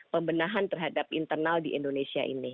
pembenahan terhadap internal di indonesia ini